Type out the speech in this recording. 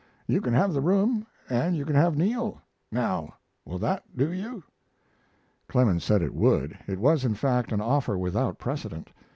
You can have the room, and you can have Neal. Now, will that do you?" Clemens said it would. It was, in fact, an offer without precedent.